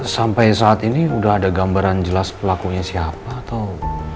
sampai saat ini sudah ada gambaran jelas pelakunya siapa tau